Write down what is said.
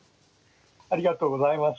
ありがとうございます。